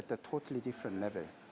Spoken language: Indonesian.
di level yang berbeda